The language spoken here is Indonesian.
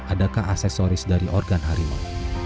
adakah aksesoris dari organ harimau